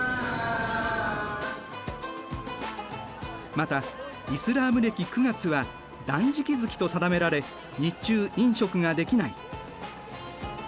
またイスラーム暦９月は断食月と定められ日中飲食ができない。